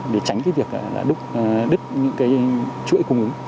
để tránh việc đứt những chuỗi cung ứng